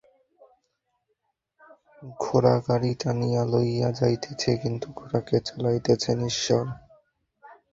ঘোড়া গাড়ী টানিয়া লইয়া যাইতেছে, কিন্তু ঘোড়াকে চালাইতেছেন ঈশ্বর।